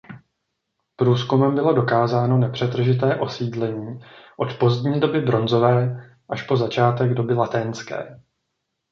Průzkumem bylo dokázáno nepřetržité osídlení od pozdní doby bronzové až po začátek doby laténské.